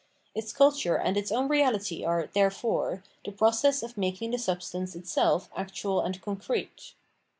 Its culture and its o wn reahty are, therefore, the process of making the substance itseh actual and concrete.